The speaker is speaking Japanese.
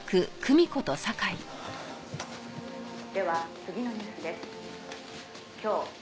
「では次のニュースです」